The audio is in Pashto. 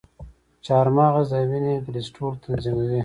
چارمغز د وینې کلسترول تنظیموي.